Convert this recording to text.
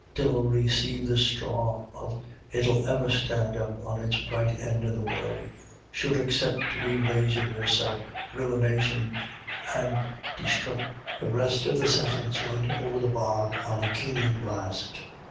Divil recaive the straw of it'll ever stand up on its right end in this world. Sure, except to be raisin' yourself ruination and de sthruc —" The rest of the sentence went over the bog on a keening blast.